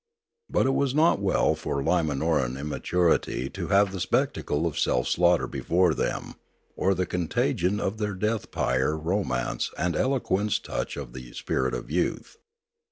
But it was not well for L,imanoran immaturity to have the spectacle of self slaughter before them, or the con tagion of their death pyre romance and eloquence touch the spirit of youth.